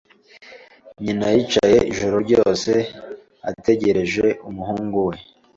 Nyina yicaye ijoro ryose ategereje umuhungu we.